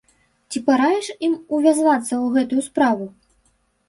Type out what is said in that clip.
Ці параіш ім увязвацца ў гэтую справу?